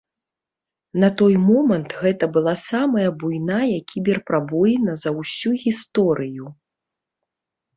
На той момант гэта была самая буйная кібер-прабоіна за ўсю гісторыю.